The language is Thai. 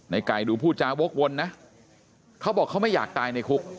ไก่ดูผู้จาวกวนนะเขาบอกเขาไม่อยากตายในคุก